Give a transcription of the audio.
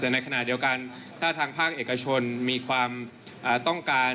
แต่ในขณะเดียวกันถ้าทางภาคเอกชนมีความต้องการ